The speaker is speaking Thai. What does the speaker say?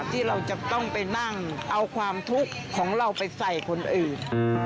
ที่เราจะต้องไปนั่งเอาความทุกข์ของเราไปใส่คนอื่น